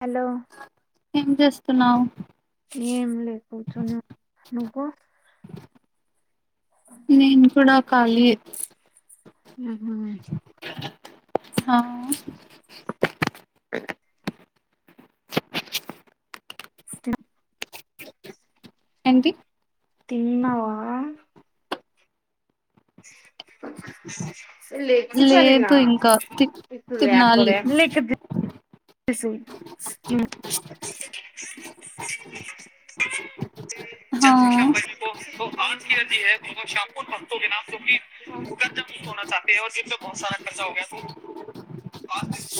Hello ఏం చేస్తున్నావ్ ఏంలేకుంటునే నువ్వు నేన్ కూడా ఖాళీయే ఆహా హా స్నా ఏంటి తిన్నవా లెగిసి పడిన లేదు ఇంకా తి తినాలి రిసు [unintelligible] [unintelligible] [inaudible] ఆ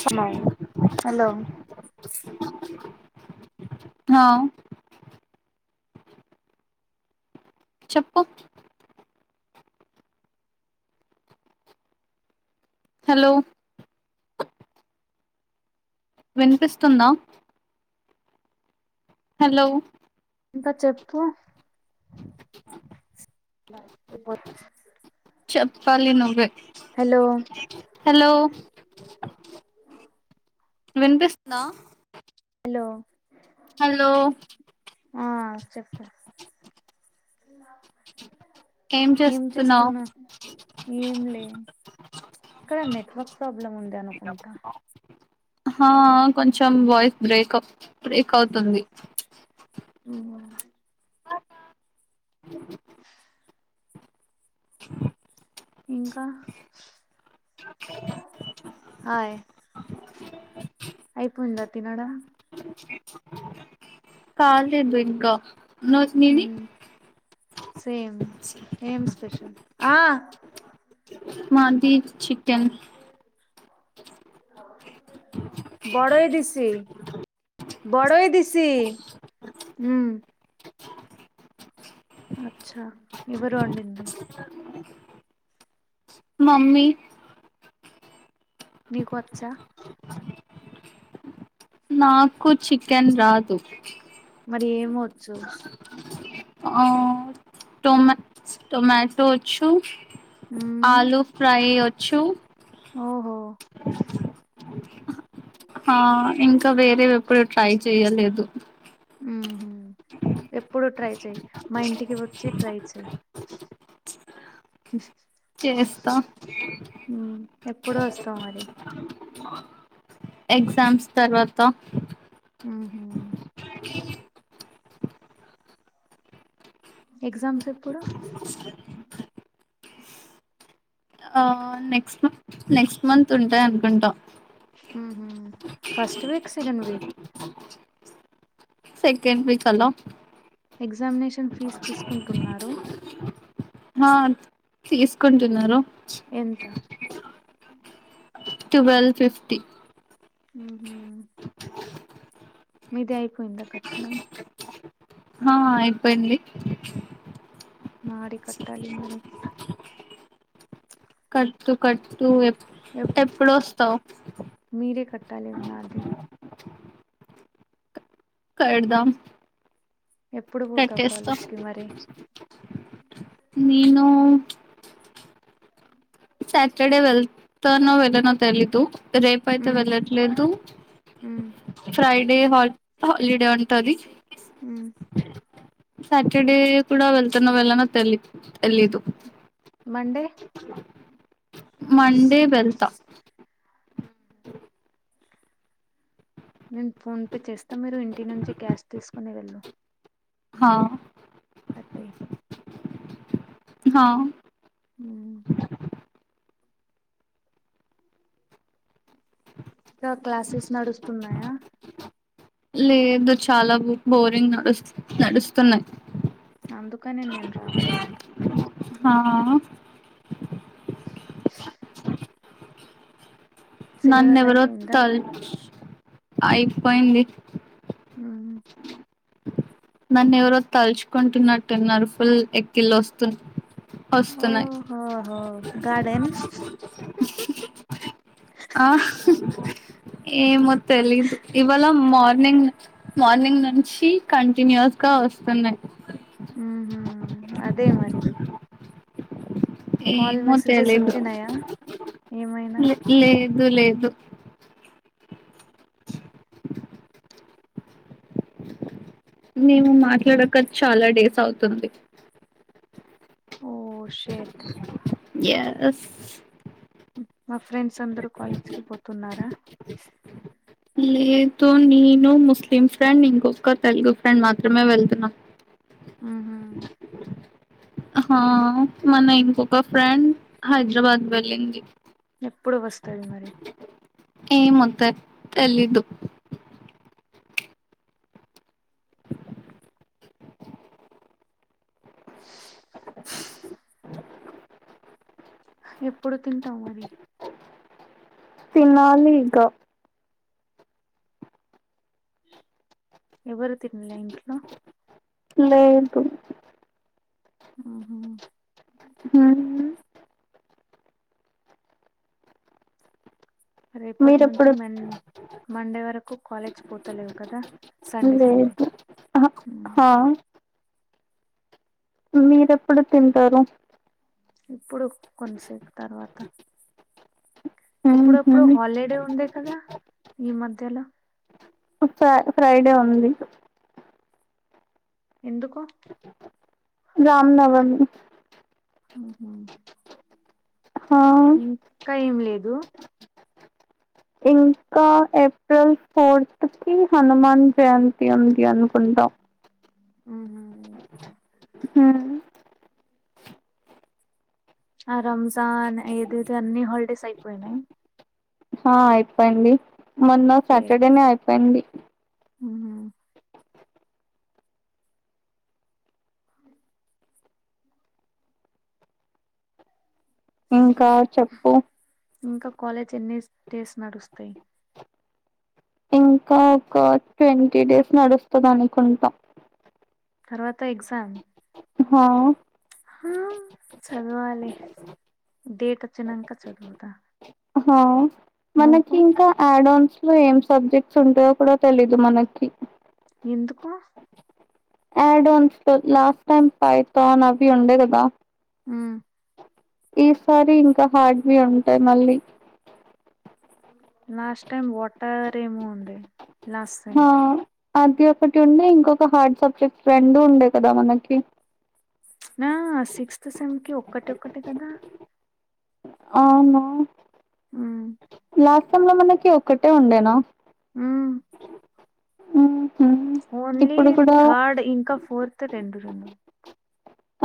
హలో హలో హా చెప్పు హలో విన్పిస్తుందా హలో ఇంక చెప్పు చెప్పలి నువే హలో హాలో విపిస్తుంద హలో హలో ఆ చెప్పు ఏం చేస్తున్నా ఏం లే ఇక్కడ నెట్వర్క్ ప్రాబ్లమ్ ఉంది అనుకుంటా హ కొంచెం వాయిస్ బ్రేక్ బ్రేక్ అవుతుంది హ్మ్ ఇంక అయిపోంయిద తినడం కాలేదు ఇంక నువ్ నిది మ్మ్ సేమ్ ఏం స్పెషల్ ఆ మాది చికెన్ బడయదిశీ బోడయ దిసి హ్మ్ అచ్చ ఎవరు వండింది మమ్మీ నీకు వచ్చా నాకు చికెన్ రాదు మరి ఏమొచ్చు ఆ టొమా టొమాటోచ్చు మ్మ్ ఆలూ ఫ్రై ఓచ్చు ఓహో ఆ ఇంక వేరే ఎప్పుడు ట్రై చెయలేదు ఉహు ఎప్పుడు ట్రై చెయ మా ఇంటికి వచ్చి ట్రై చెయి చేస్త మ్మ్ ఎప్పుడు వస్తవ్ మరి ఎగ్జామ్స్ తర్వాత ఉహ్మ్ ఎగ్జామ్స్ ఎప్పుడు ఆ నెక్స్ట్ మంత్ నెక్స్ట్ మంత్ ఉంటాయి అనుకుంట ఉహ్మ్ first week second week second week అల ఎగ్జామినేషన్ ఫీజు తీసుకుంటున్నారు హ తీసుకుంటున్నారు ఎంత టువెల్ ఫిఫ్టీ ఉహ్మ్ మీది అయిపోయింద కట్టడం హా అయిపోయింది మాడి కట్టాలి మరి కట్టు కట్టు ఏప్ ఎప్ ఎప్పుడు వస్తవు కట్టలీ మాది కడదాం ఎప్పుడు పోతావు కట్టేస్తా కాలేజ్ కి మరి నేను సాటర్డే వెళ్తాను వెళ్ళనో తెలీదు ఇగ రేప్ అయితే ఉమ్ వెళ్ళట్లేదు ఉమ్ ఫ్రైడే హాల్ హాలిడే ఉంటది ఉమ్ సాటర్డే కూడ వెళ్తనో వెళ్ళనో తెల్లి తెలిదు మండే మండే వెళ్తా నేన్ ఫోన్ పే చేస్తా మీరు ఇంటి నుంచి క్యాష్ తీస్కుని వెళ్ళు హా కట్టేయ్ హా ఉమ్ ఇంకా క్లాసెస్ నడుస్తున్నాయా లేదు చాలా బు బోరింగ్ నడుస్ నడుస్తున్నాయ్ అందుకనే నేన్ రావట్లే హఅ నన్ను సిలబస్ ఎవరో అయిపోయిందా తల్ అయిపోయింది ఉమ్ నన్నేవరో తల్చుకుంటున్నట్టున్నారు ఫుల్ ఎక్కిళ్ళోస్తునాయ్ వస్తున్నాయి ఓహోహో గార్డెన్ ఆహ్ ఏమో తెలీదు ఇవాళ మార్నింగ్ మార్నింగ్ నుంచి కంటిన్యూస్ గా గా వస్తున్నాయి ఉహు అదే మరి కాల్ ఏమో మెసేజెస్ తేలీదు వచ్చినాయా ఏమైనా లే లే లేదు లేదు మేము మాట్లాడక చాలా డేస్ అవుతుంది ఓ శేట్ ఎస్ మా ఫ్రెండ్స్ అందరు కాలేజ్కి పోతున్నారా లేదు నేను ముస్లిం ఫ్రెండ్ ఇంకొక తెలుగు ఫ్రెండ్ మాత్రమే వెళ్తున్నామ్ ఆహా హ మన ఇంకొక ఫ్రెండ్ హైదరాబాద్ వెళ్ళింది ఎప్పుడు వస్తది మరి ఏమో అక్క తెలీదు ఎప్పుడు తింటావ్ మరి తనలి ఇగా ఎవరు తిన్లే ఇంట్లో లేదు ఆహ ఉమ్మ్ రేపటి నుంచి మీరేప్పుడు మన్ మండే వరకు కాలేజ్ పోతలేవ్ కదా సండే సండే ఆహా మ్. హ మీరెప్పుడు తింటారు ఇప్పుడు కొంతసేప్ తర్వాత ఇప్పుడు ఉహు ఏప్పుడో హాలిడే ఉంది కదా ఈ మధ్యలో ఫై ఫ్రైడే ఉంది ఎందుకు రామ్నవమి మ్ హు హా ఇంకా ఏం లేదు ఇంకా ఏప్రిల్ ఫోర్త్ న్స్ కి హనుమాన్ జయంతి ఉంది అనుకుంట ఆ హ ఆ రంజాన్ ఏదేదో అన్ని హాలిడేస్ అయిపోయినయ్ హా అయిపోయింది మొన్న సాటర్డే నే అయిపోయింది మ్ హు ఇంకా చెప్పు ఇంకా కాలేజ్ ఎన్నీస్ డేస్ నడుస్తయ్ ఇంకా ఒక ట్వంటీ డేస్ నడుస్తదనుకుంటా తర్వాత ఎగ్జామ్ హా ఆ చద్వాలి డేటోచ్చినంకా చదువుతా అహా నువ్వు మనకింకా ఆడన్స్ లో ఏం సబ్జెక్ట్స్ ఉంటయో కూడా తెలీదు మనకి ఎందుకు ఆడ్న్స్ లాస్ట్ టైం పైతాన్ అవి ఉండే గదా మ్ ఈసారి ఇంకా హార్డ్వి ఉంటయి మళ్ళీ లాస్ట్ టైమ్ వాటర్ ఏమొ ఉండే లాస్ట్ సేమ్ ఆ అది ఒకటుండే ఇంకొక హార్డ్ సబ్జెక్ట్ రెండూ ఉండే కదా మనకి ప్చ్ ఆ సిక్స్త్ సెమ్కి ఒక్కటోక్కటే కదా అవును మ్మ్ లాస్ట్ సేమ్ ల మనకి ఒక్కటే ఉండేనా ఉమ్ ఉహు ఓన్లీ ఇప్పుడు కూడా థర్డ్ ఇంకా ఫోర్త్ రెండు రెండు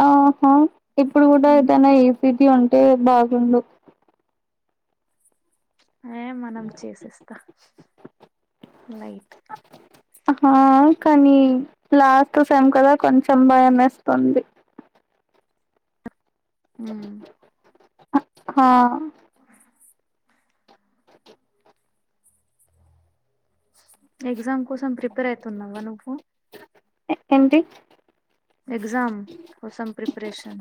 ఆహా ఇప్పుడు గూడా ఉమ్ ఏదైనా ఇసిటీ ఉంటే బాగుండు అయినా మనం చేసేస్తా లైట్ అహా కానీ లాస్ట్ సెమ్ కదా కొంచెం భయమేస్తుంది మ్ అ హా ఎగ్జామ్ కోసం ప్రిపేర్ ఐతున్నవా నువ్వు ఎ ఏంటి ఎగ్జామ్ కోసం ప్రిప్రేషన్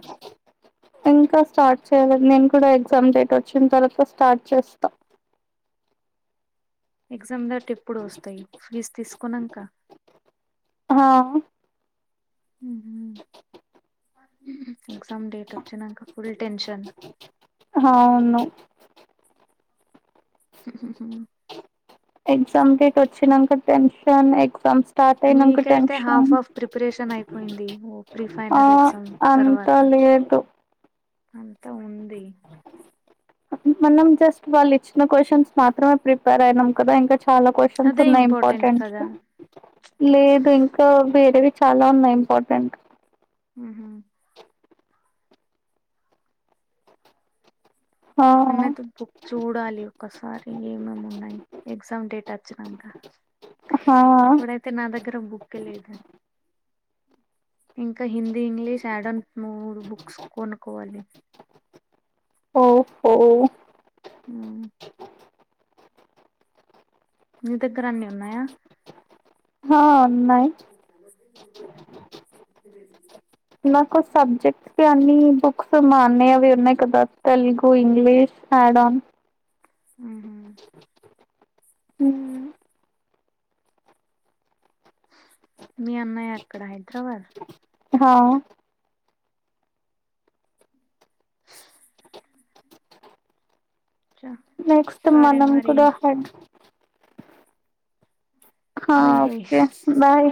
ఇంకా స్టార్ట్ చేయలేదు నేను కూడా ఎగ్జామ్ డేట్ వొచ్చిన్ తర్వాత స్టార్ట్ చేస్తా ఎగ్జామ్ డేట్ ఎప్పుడు వొస్తయ్ ఫ్లీజ్ తీస్కున్నంక ఆ ఎగ్జామ్ డేట్ ఒచ్చినంక ఫుల్ టెన్షన్ హావును హు హు హు ఎగ్జామ్ డేట్ వొచ్చినంక టెన్షన్ ఎగ్జామ్స్ స్టార్ట్ అయినంక మీకైతే టెన్షన్ హాఫ్ హాఫ్ ప్రిపరేషన్ అయిపోయింది ఓ ప్రీ ఆ ఫైనల్ ఎగ్జామ్ అంతలే ఎంటో అంత ఉంది మనం జస్ట్ వాళ్ళిచ్చిన క్వశ్చన్స్ మాత్రమే ప్రిపేర్ అయినం కదా ఇంకా చాలా క్వశన్స్ అదే ఉన్నాయి ఇంపార్టెంట్ కదా వి లేదు ఇంకా వేరేవి చాలా ఉన్నయ్ ఇంపార్టెంట్ మ్ హు ఆ ముంనైతే బుక్ చూడాలి ఒకసారి ఏమేమి ఉన్నాయో ఎగ్జామ్ డేటోచ్చినంక ఆ ఇప్పుడైతే నా దగ్గర బుక్కె లేదం ఇంకా హిందీ ఇంగ్లీష్ యాడోన్ మూడు బుక్స్ కొనుకోవాలి ఓహో మ్మ్. మీ దగ్గర అన్ని ఉన్నాయా హా ఉన్నాయ్ నాకు సబ్జెక్ట్ ఆన్ని బుక్స్ మా అన్నయ్యవీ ఉన్నాయి కదా తెలుగు ఇంగ్లీష్ మా మ్యాడం హు్ మ్ మీ అన్నయ అక్కడ హైదరాబాద్ హ్ చ నెక్స్ట్ సరే మనం మరి కూడ హైద్ర హ బై బై ఓకే బాయ్